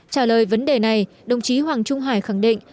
trả lời vấn đề này đồng chí hoàng trung hải khẳng định